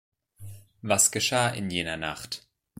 Was geschah in jener Nacht?